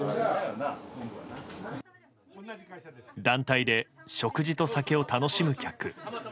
団体で食事と酒を楽しむ客。